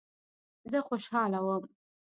زه خوشاله وم.